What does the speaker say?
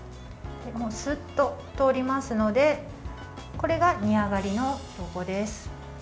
スッと通りますのでこれが煮上がりの証拠です。